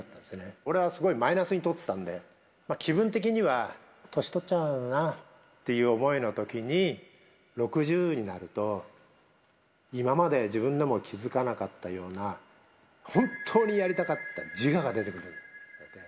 俺はすごいマイナスに取ってたんで、気分的には、年取っちゃうなという思いのときに、６０になると、今まで自分でも気付かなかったような、本当にやりたかった自我が出てくるんだって。